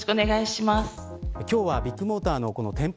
今日はビッグモーターの店舗